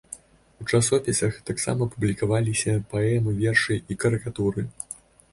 У часопісах таксама публікаваліся паэмы, вершы і карыкатуры.